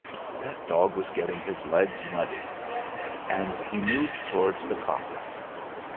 That dog was getting his legs muddy! And he moved towards the coppice.